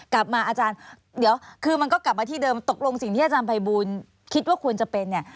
อาจารย์เดี๋ยวคือมันก็กลับมาที่เดิมตกลงสิ่งที่อาจารย์ภัยบูลคิดว่าควรจะเป็นเนี่ย